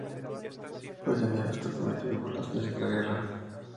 Hoy en día no está permitido por las leyes de la guerra.